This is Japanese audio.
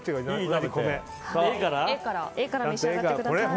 Ａから召し上がってください。